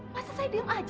masa saya diem aja